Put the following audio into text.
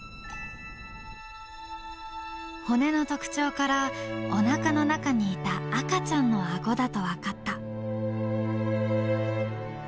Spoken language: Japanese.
骨の特徴からおなかの中にいた赤ちゃんのあごだと分かった。